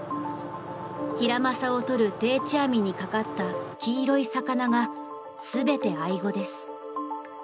ヒラマサを取る定置網にかかった黄色い魚が全てアイゴです。